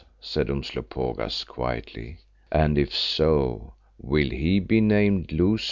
said Umslopogaas quietly. "And if so, will he be named Lousta?"